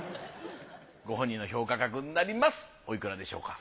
ご本人の評価額になりますおいくらでしょうか。